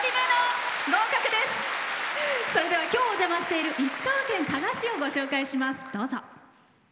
それでは今日、お邪魔している石川県加賀市をご紹介します。